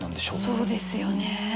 そうですよね。